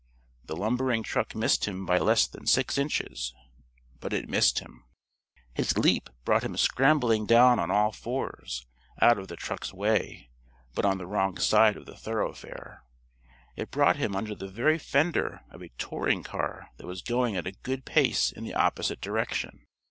The lumbering truck missed him by less than six inches. But it missed him. His leap brought him scramblingly down on all fours, out of the truck's way, but on the wrong side of the thoroughfare. It brought him under the very fender of a touring car that was going at a good pace in the opposite direction.